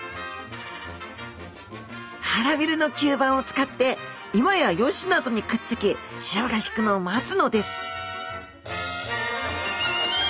腹びれの吸盤を使って岩や葦などにくっつき潮が引くのを待つのです